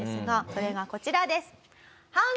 それがこちらです。